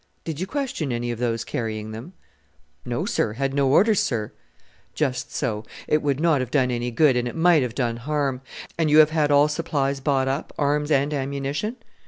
"Did you question any of those carrying them?" "No, sir. Had no orders, sir." "Just so: it would not have done any good, and it might have done harm. And you have had all supplies bought up, arms and ammunition?"